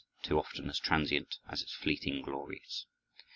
too often as transient as its fleeting glories.